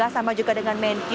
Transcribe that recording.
sama juga dengan menq